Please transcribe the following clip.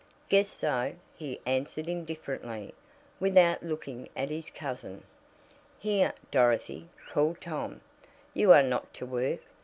"Guess so," he answered indifferently, without looking at his cousin. "Here, Dorothy," called Tom. "You are not to work.